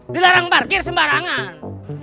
dilarang parkir sembarangan